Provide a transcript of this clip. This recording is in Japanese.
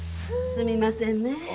すみませんねぇ。